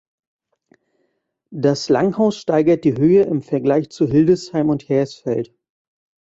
Das Langhaus steigert die Höhe im Vergleich zu Hildesheim und Hersfeld.